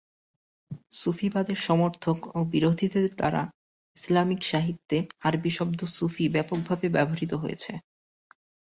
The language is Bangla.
সুফিবাদের সমর্থক ও বিরোধীদের দ্বারা ইসলামিক সাহিত্যে আরবি শব্দ সুফি ব্যাপকভাবে ব্যবহৃত হয়েছে।